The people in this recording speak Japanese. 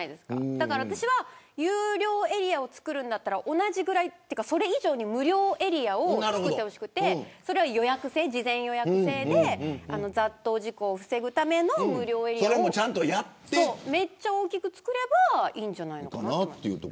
だから私は有料エリアを作るんだったら同じぐらいというか、それ以上に無料エリアを作ってほしくてそれは事前予約制で雑踏事故を防ぐための無料エリアをめっちゃ大きく作ればいいんじゃないのって。